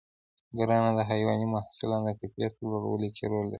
کرنه د حیواني محصولاتو د کیفیت لوړولو کې رول لري.